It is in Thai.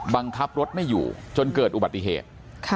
บังคับรถไม่อยู่จนเกิดอุบัติเหตุ